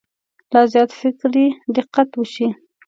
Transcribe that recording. لا زیات فکري دقت وشي.